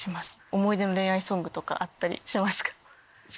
思い出の恋愛ソングとかあったりしますか？